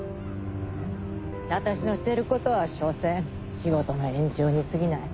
私のしていることは所詮仕事の延長に過ぎない。